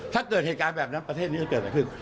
ถ้าเกิดเหตุการณ์แบบนั้นประเทศนี้จะเกิดอะไรขึ้น